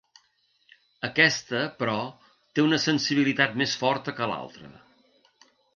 Aquesta, però, té una sensibilitat més forta que l'altre.